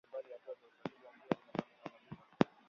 mbali mbali hatua za uzalishaji na njia za usambazaji